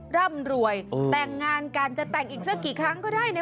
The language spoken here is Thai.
ร่ำรวยแต่งงานกันจะแต่งอีกสักกี่ครั้งก็ได้นะ